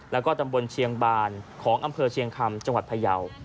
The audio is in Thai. แล้วก็ตำบลเชียงบานของอำเภอเชียงคำจังหวัดพยาว